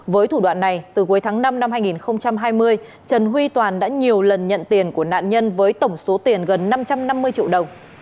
với thủ đoạn này từ cuối tháng năm năm hai nghìn hai mươi trần huy toàn đã nhiều lần nhận tiền của nạn nhân với tổng số tiền gần năm trăm năm mươi triệu đồng